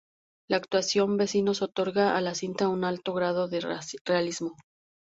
La actuación vecinos otorga a la cinta un alto grado de realismo.